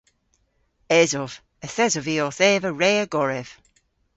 Esov. Yth esov vy owth eva re a gorev.